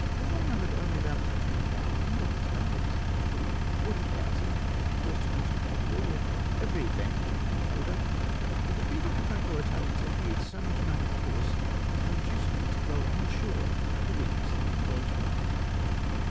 As they numbered only about 10,000, and the Spaniards fully 40,000, posted on the top of a hill, with every advantage in their favour, the defeat of the Franco Italians appeared so much a matter of course as to induce me to go on shore to Avitness the engagement.